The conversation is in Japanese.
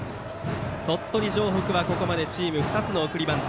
鳥取城北はここまでチーム２つの送りバント。